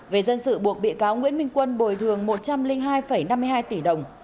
về dân sự buộc bị cáo nguyễn minh quân bồi thường một trăm linh hai năm